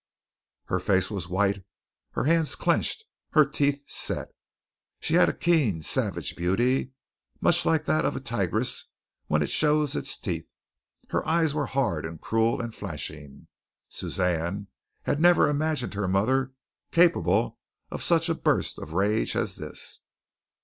Her face was white, her hands clenched, her teeth set. She had a keen, savage beauty, much like that of a tigress when it shows its teeth. Her eyes were hard and cruel and flashing. Suzanne had never imagined her mother capable of such a burst of rage as this.